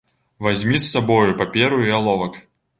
Вазьмі з сабою паперу і аловак.